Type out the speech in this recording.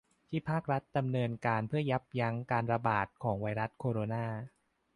ที่ภาครัฐดำเนินการเพื่อยับยั่งการระบาดของไวรัสโคโรนา